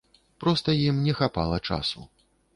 Проста ім не хапала часу.